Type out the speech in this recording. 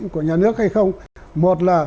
của nhà nước hay không một là